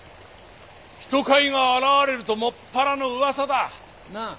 人買いが現れるともっぱらの噂だ。なあ？